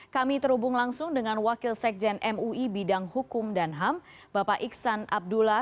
kami terhubung langsung dengan wakil sekjen mui bidang hukum dan ham bapak iksan abdullah